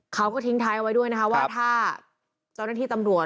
เขาก็ทิ้งท้ายเอาไว้ด้วยนะคะว่าถ้าเจ้าหน้าที่ตำรวจ